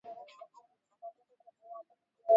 Hata hivyo kuna wasi wasi unaoongezeka wa